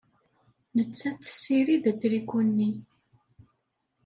Nettat tessirid atriku-nni.